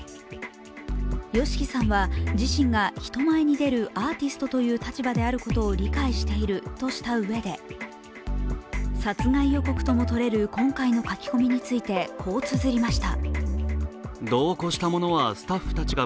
ＹＯＳＨＩＫＩさんは自身が人前に出るアーティストという立場であることを理解しているとしたうえで、殺害予告ともとれる今回の書き込みについて、こうつづりました。